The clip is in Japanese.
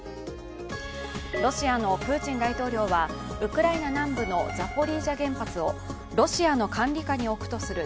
ロシアのプーチン大統領はウクライナ南部のザポリージャ原発をロシアの管理下に置くとする